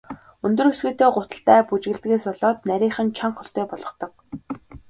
Өндөр өсгийтэй гуталтай бүжиглэдгээс болоод нарийхан, чанга хөлтэй болгодог.